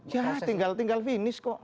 ya tinggal finish kok